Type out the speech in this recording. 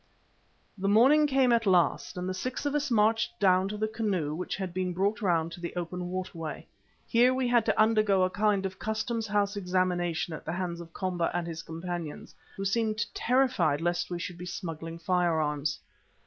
The morning came at last, and the six of us marched down to the canoe which had been brought round to the open waterway. Here we had to undergo a kind of customs house examination at the hands of Komba and his companions, who seemed terrified lest we should be smuggling firearms.